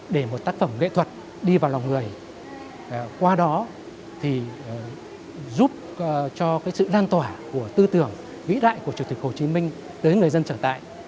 để một tác phẩm nghệ thuật đi vào lòng người qua đó thì giúp cho sự lan tỏa của tư tưởng vĩ đại của chủ tịch hồ chí minh đến người dân trở tại